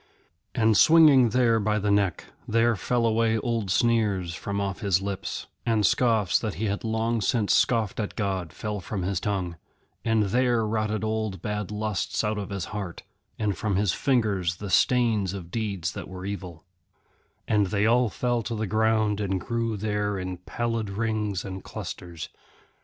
And swinging there by the neck, there fell away old sneers from off his lips, and scoffs that he had long since scoffed at God fell from his tongue, and there rotted old bad lusts out of his heart, and from his fingers the stains of deeds that were evil; and they all fell to the ground and grew there in pallid rings and clusters.